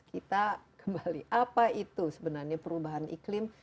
kita kembali apa itu sebenarnya perubahan iklim